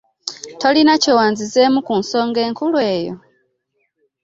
Tolina kye wanzizeemu ku nsonga enkulu eyo!